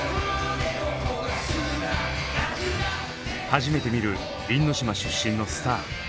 初めて見る因島出身のスター。